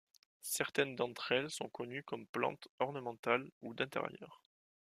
Certaines d’entre elles sont connues comme plantes ornementales ou d’intérieur.